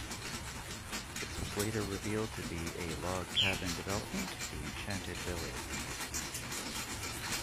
This was later revealed to be a log cabin development, The Enchanted Village.